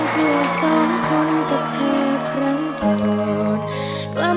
เป็นชื่อเพลงครับ